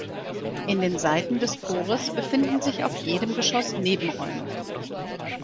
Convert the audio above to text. In den Seiten des Chores befinden sich auf jedem Geschoss Nebenräume.